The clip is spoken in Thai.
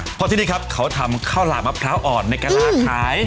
เพราะที่นี่ครับเขาทำข้าวหลาบมะพร้าวอ่อนในกะลาขาย